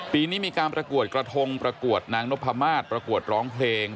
ปีนี้มีการประกวดกระทงประกวดนางนพมาศประกวดร้องเพลง